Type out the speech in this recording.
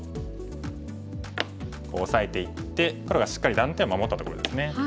こうオサえていって黒がしっかり断点を守ったところですね。